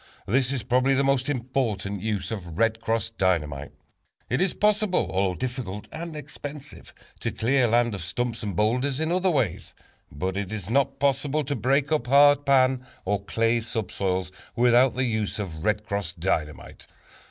This is probably the most important use of "Red Cross" Dynamite. It is possible, although difficult and expensive, to clear land of stumps and boulders in other ways, but it is not possible to break up hard pan, or clay subsoils, without the use of "Red Cross" Dynamite.